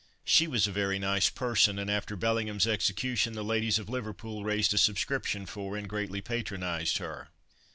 She was a very nice person, and after Bellingham's execution the ladies of Liverpool raised a subscription for, and greatly patronized her.